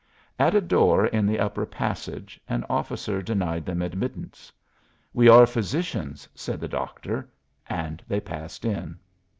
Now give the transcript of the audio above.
At a door in the upper passage an officer denied them admittance. "We are physicians," said the doctor, and they passed in.